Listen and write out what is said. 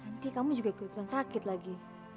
nanti kamu juga ikutan sakit lagi